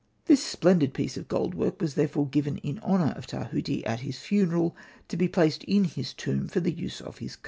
This splendid piece of gold work was therefore given in honour of Tahuti at his funeral, to be placed in his tomb for the use of his ka.